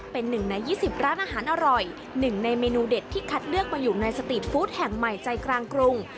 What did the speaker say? เป็นหนึ่งใน๒๐ร้านอาหารอร่อยหนึ่งในเมนูเด็ดที่คัดเลือกมาอยู่ในสตรีทฟู้ดแห่งใหม่ใจกลางกรุง